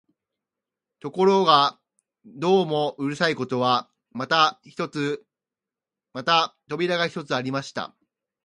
ところがどうもうるさいことは、また扉が一つありました